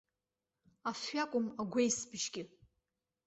Афҩакәым, агәеисыбжьгьы!